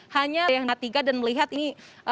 hanya yang ketiga dan melihat ini